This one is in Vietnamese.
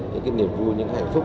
những niềm vui những hạnh phúc